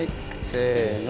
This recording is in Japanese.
せの！